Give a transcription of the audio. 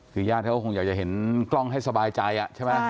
คือญาติเขาก็คงอยากจะเห็นกล้องให้สบายใจใช่ไหม